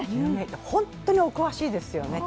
本当にお詳しいですよね。